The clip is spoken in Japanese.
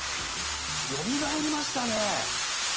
よみがえりましたね！